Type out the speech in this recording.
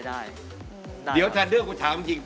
เดี๋ยวถ้าเลือกกูถามจริง